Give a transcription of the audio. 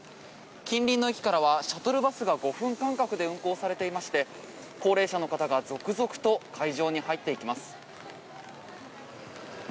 近隣の駅からはシャトルバスが５分間隔で運行されていまして高齢者の方が続々と会場に入っていきます。